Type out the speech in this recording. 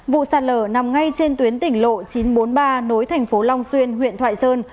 vụ sạt lở nằm ngay trên tuyến tỉnh lộ chín trăm bốn mươi ba nối thành phố long xuyên huyện thoại sơn